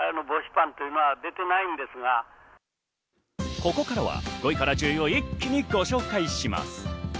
ここからは５位から１０位を一気にご紹介します。